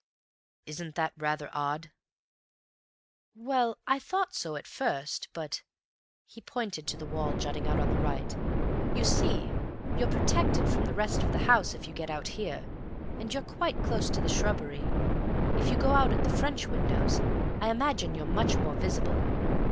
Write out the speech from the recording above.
"Isn't that rather odd?" "Well, I thought so at first, but—" He pointed to the wall jutting out on the right. "You see, you're protected from the rest of the house if you get out here, and you're quite close to the shrubbery. If you go out at the French windows, I imagine you're much more visible.